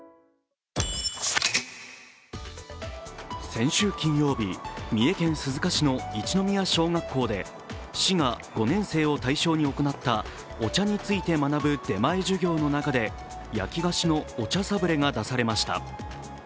先週金曜日、三重県鈴鹿市の一ノ宮小学校で、市が５年生を対象に行ったお茶について学ぶ出前授業の中で焼き菓子のお茶サブレが出されました。